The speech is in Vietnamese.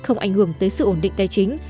không ảnh hưởng tới sự ổn định tài chính